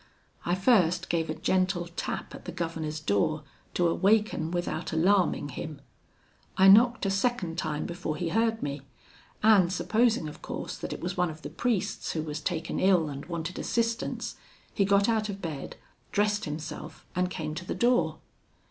I first gave a gentle tap at the governor's door to awaken without alarming him. I knocked a second time before he heard me; and supposing of course that it was one of the priests who was taken ill and wanted assistance, he got out of bed, dressed himself, and came to the door.